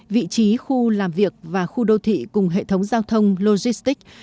vị trí khu làm việc và khu đô thị cùng hệ thống giao thông logistics